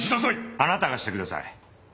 あなたがしてください。